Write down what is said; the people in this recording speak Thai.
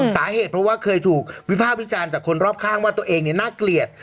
สาเหตุเพราะว่าเคยถูกวิภาควิจารณ์จากคนรอบข้างว่าตัวเองน่าเกลียด